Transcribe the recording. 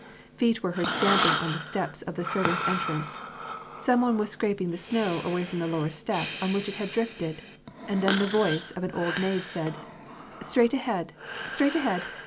Feet were heard stamping on the steps of the servants' entrance. Some one was scraping the snow away from the lower step on which it had drifted, and then the voice of an old maid said, — "Straight ahead! straight ahead!